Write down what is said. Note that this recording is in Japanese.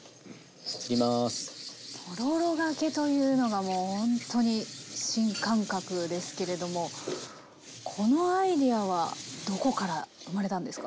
とろろがけというのがもうほんとに新感覚ですけれどもこのアイデアはどこから生まれたんですか？